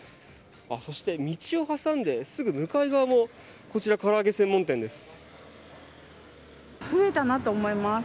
そして道を挟んですぐ向かい側もこちら、から揚げ専門店です。